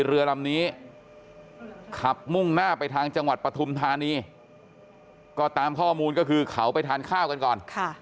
เรือลำนี้ขับมุ่งหน้าไปทางจังหวัดปฐุมธานีก็ตามข้อมูลก็คือเขาไปทานข้าวกันก่อน